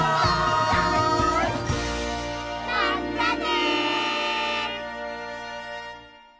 まったね！